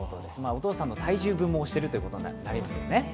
お父さんの体重分も押しているということになりますね。